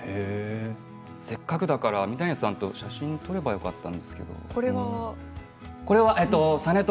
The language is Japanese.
せっかくだから三谷さんと写真を撮ればよかった。